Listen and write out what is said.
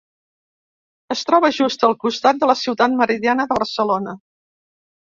Es troba just al costat de la Ciutat Meridiana de Barcelona.